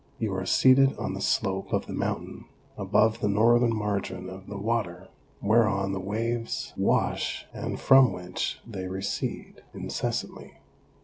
You are seated on the slope of the mountain, above the northern margin of the water, whereon the waves wash and from which they re cede incessantly.